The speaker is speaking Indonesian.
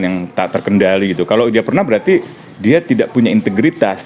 yang tak terkendali gitu kalau dia pernah berarti dia tidak punya integritas